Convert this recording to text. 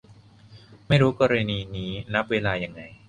ไม่รู้กรณีนี้นับเวลายังไง